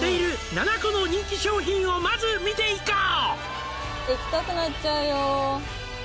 「７個の人気商品をまず見ていこう」